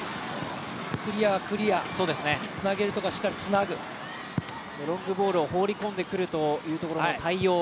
クリアはクリア、つなげるところはしっかりつなげるロングボールを放り込んでくるというところの対応。